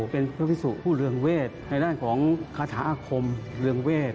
เป็นพระพิสุผู้เรืองเวทในด้านของคาถาอาคมเรืองเวท